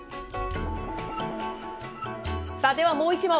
さあ、ではもう１問。